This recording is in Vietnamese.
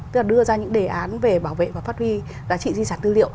tức là đưa ra những đề án về bảo vệ và phát huy giá trị di sản tư liệu